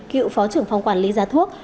cựu phó trưởng phòng quản lý giá thuốc